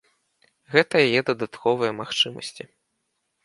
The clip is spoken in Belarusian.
Гэта яе дадатковыя магчымасці.